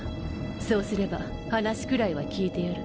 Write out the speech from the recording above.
そうすれば話くらいは聞いてやる。